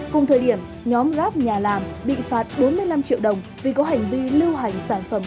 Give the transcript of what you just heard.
cùng thời điểm nhóm gáp nhà làm bị phạt bốn mươi năm triệu đồng vì có hành vi lưu hành sản phẩm